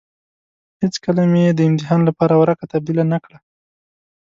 هېڅکله مې يې د امتحان لپاره ورقه تبديله نه کړه.